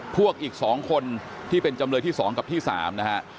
พวกอีก๒คนที่เป็นจำเลยที่๒กับที่๓นะฮะ